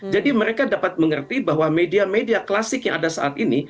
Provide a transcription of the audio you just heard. jadi mereka dapat mengerti bahwa media media klasik yang ada saat ini